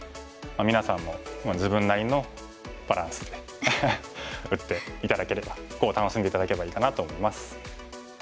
みなさんも自分なりのバランスで打って頂ければ碁を楽しんで頂ければいいかなと思います。